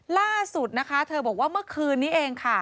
ล่าสุดเธอบอกว่าเมื่อคืนนี้เอง